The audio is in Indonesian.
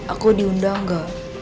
aku diundang gak